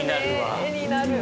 絵になるわ。